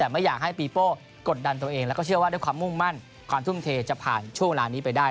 แต่ไม่อยากให้ปีโป้กดดันตัวเองแล้วก็เชื่อว่าด้วยความมุ่งมั่นความทุ่มเทจะผ่านช่วงเวลานี้ไปได้